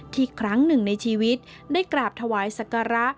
ครั้งหนึ่งในชีวิตได้กราบถวายศักระ